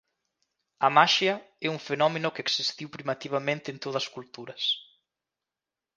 A maxia e un fenómeno que existiu primitivamente en todas culturas.